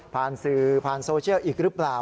ผ่านสื่อผ่านโซเชียลอีกหรือเปล่า